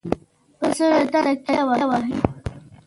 پسه له تندې تيګا وهي.